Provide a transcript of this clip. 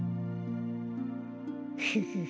フフフ。